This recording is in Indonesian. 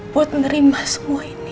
buat nerima semua ini